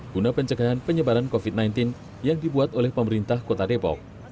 guna pencegahan penyebaran covid sembilan belas yang dibuat oleh pemerintah kota depok